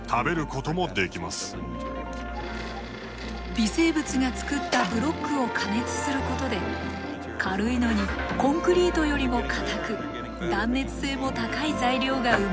微生物が作ったブロックを加熱することで軽いのにコンクリートよりも堅く断熱性も高い材料が生まれるのです。